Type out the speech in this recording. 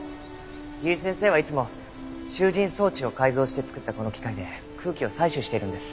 由井先生はいつも集じん装置を改造して作ったこの機械で空気を採取しているんです。